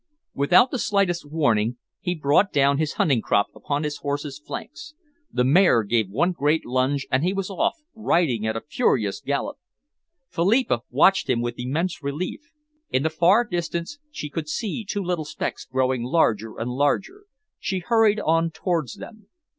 Without the slightest warning he brought down his hunting crop upon his horse's flanks. The mare gave one great plunge, and he was off, riding at a furious gallop. Philippa watched him with immense relief. In the far distance she could see two little specks growing larger and larger. She hurried on towards them.